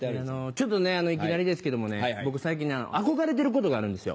ちょっといきなりですけどもね僕最近憧れてることがあるんですよ。